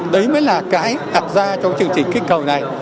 đấy mới là cái đặt ra trong chương trình kích cầu này